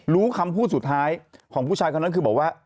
รู้คำพูดสุดท้ายของผู้ชายคนนั้นคือบอกว่า